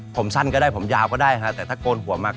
ผมสั้นก็ได้ผมยาวก็ได้ฮะแต่ถ้าโกนหัวมาก็